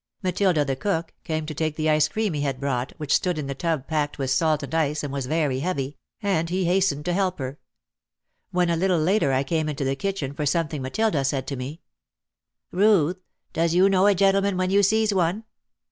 Mathilda, the cook, came to take the ice cream he had brought, which stood in the tub packed with salt and ice and was very heavy, and he hastened to help her. When a little later I came into the kitchen for something Mathilda said to me, "Ruth, does you know a gentleman when you sees one